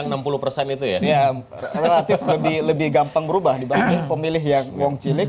relatif lebih gampang berubah dibanding pemilih yang wong cilik